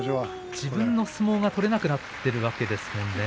自分の相撲が取れなくなっているわけですものね。